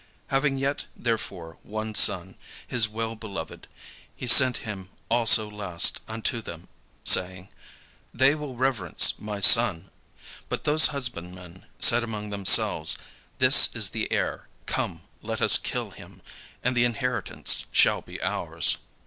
Having yet therefore one son, his well beloved, he sent him also last unto them, saying, 'They will reverence my son.' But those husbandmen said among themselves, 'This is the heir; come, let us kill him, and the inheritance shall be ours.'